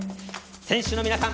選手の皆さん